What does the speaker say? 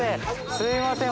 すみません。